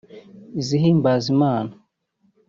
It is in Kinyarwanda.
izihimbaza Imana